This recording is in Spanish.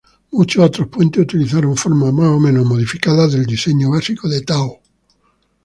Muchos otros puentes utilizaron formas más o menos modificadas del diseño básico de Town.